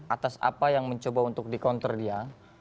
atas apa yang mencoba untuk di counter dia